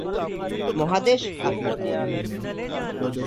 মহাদেশ: আফ্রিকা।